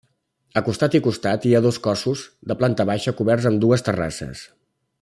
A costat i costat, hi ha dos cossos de planta baixa coberts amb dues terrasses.